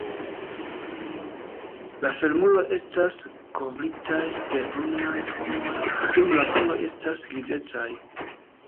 La femuroj estas kovritaj de brunaj plumoj dum la kruroj estas grizecaj.